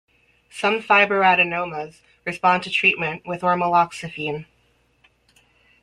Some fibroadenomas respond to treatment with ormeloxifene.